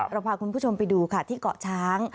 เราพาคุณผู้ชมไปดูค่ะที่เกาะช้าง